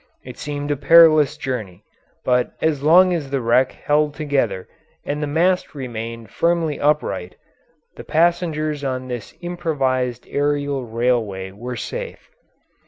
It seemed a perilous journey, but as long as the wreck held together and the mast remained firmly upright the passengers on this improvised aerial railway were safe.